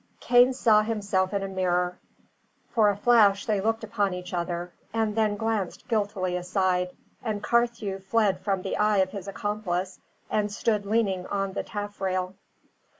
Cain saw himself in a mirror. For a flash they looked upon each other, and then glanced guiltily aside; and Carthew fled from the eye of his accomplice, and stood leaning on the taffrail.